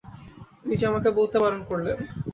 ইনি যে আমাকে বলতে বারণ করলেন।